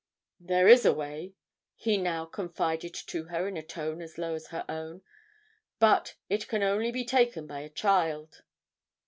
"There is a way," he now confided to her in a tone as low as her own, "but it can only be taken by a child."